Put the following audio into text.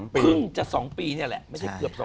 เพิ่งจะสองปีเนี่ยแหละไม่ได้เกือบสองปี